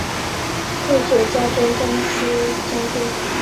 不久加征西将军。